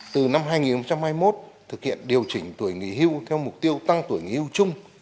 từ năm hai nghìn hai mươi một thực hiện điều chỉnh tuổi nghỉ hưu theo mục tiêu tăng tuổi nghỉ hưu chung